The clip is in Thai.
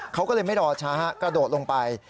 เขาก็เลยไม่รอช้ากระโดดลงไป